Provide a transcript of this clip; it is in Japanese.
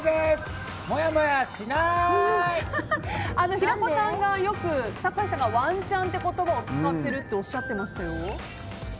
平子さんが、よく酒井さんがワンチャンって言葉を使ってるっておっしゃってましたよ。